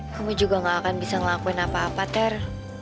kalau aku cerita kamu juga nggak akan bisa ngelakuin apa apa ter